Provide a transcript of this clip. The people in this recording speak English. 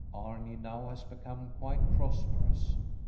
Arni now has become quite prosperous.